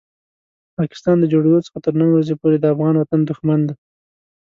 پاکستان د جوړېدو څخه تر نن ورځې پورې د افغان وطن دښمن دی.